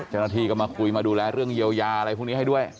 เจ้าหน้าที่ก็มาคุยมาดูแลเรื่องเยียวยาอะไรพวกนี้ให้ด้วย